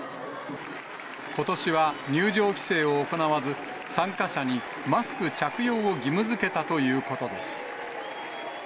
ことしは入場規制を行わず、参加者にマスク着用を義務づけたということです。